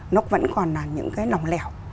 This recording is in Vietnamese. nó vẫn còn là những cái lòng lẻo